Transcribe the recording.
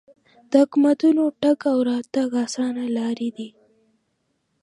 د حکومتونو تګ او راتګ اسانه لارې دي.